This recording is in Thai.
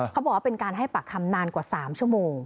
เขาบอกว่าเป็นการให้ปากคำนานกว่า๓ชั่วโมง